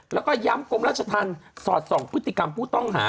แล้วก็ย้ำกรมราชธรรมสอดส่องพฤติกรรมผู้ต้องหา